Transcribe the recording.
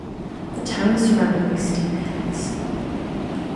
The town is surrounded by steep hills.